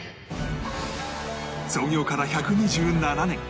創業から１２７年